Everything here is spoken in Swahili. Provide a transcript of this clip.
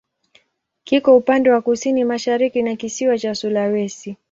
Kiko upande wa kusini-mashariki wa kisiwa cha Sulawesi.